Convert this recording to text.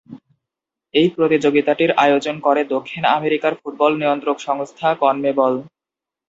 এই প্রতিযোগিতাটির আয়োজন করে দক্ষিণ আমেরিকার ফুটবলের নিয়ন্ত্রক সংস্থা 'কনমেবল'।